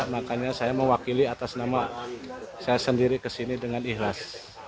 makanya saya mewakili atas nama saya sendiri kesini dengan ikhlas